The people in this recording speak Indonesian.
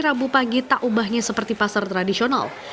rabu pagi tak ubahnya seperti pasar tradisional